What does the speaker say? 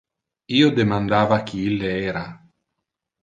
Io demandava qui ille era.